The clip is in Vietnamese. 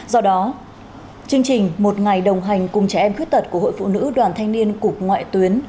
do đó chương trình một ngày đồng hành cùng trẻ em khuyết tật của hội phụ nữ đoàn thanh niên cục ngoại tuyến